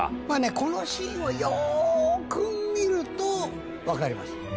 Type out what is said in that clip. このシーンをよく見ると分かります。